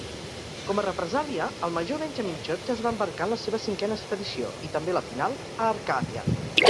Com a represàlia, el major Benjamin Church es va embarcar en la seva cinquena expedició, i també la final, a Arcàdia.